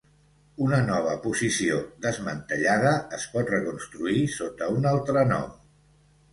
Una nova posició desmantellada es pot reconstruir sota un altre nom.